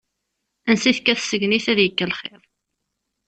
Ansi tekka tsegnit, ad ikk lxiḍ.